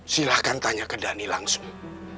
silahkan tanya ke dhani langsung